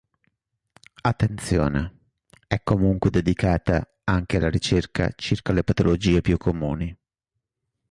Attenzione è comunque dedicata anche alla ricerca circa le patologie più comuni.